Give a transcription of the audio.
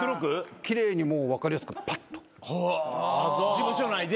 事務所内で？